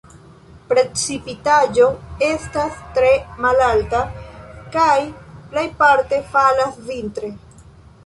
Precipitaĵo estas tre malalta kaj plejparte falas vintre.